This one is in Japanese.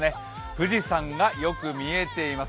富士山がよく見えています。